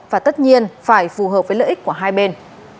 và tất nhiên phải phù hợp với lợi ích của hai bên